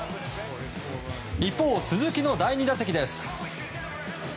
一方、鈴木の第２打席です。